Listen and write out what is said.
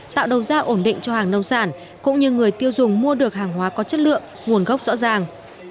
tạo đầu ra ổn định cho hàng nông sản cũng như người tiêu dùng mua được hàng hóa có chất lượng nguồn gốc rõ ràng